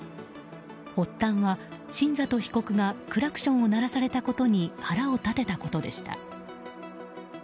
発端は新里被告がクラクションを鳴らされたことに腹を立てたことでした。